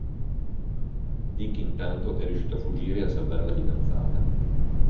Dick, intanto, è riuscito a fuggire e a salvare la fidanzata.